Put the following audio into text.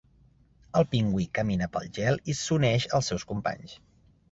El pingüí camina pel gel i s'uneix als seus companys.